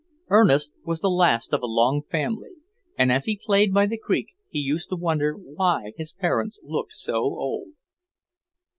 Ernest was the last of a long family, and as he played by the creek he used to wonder why his parents looked so old.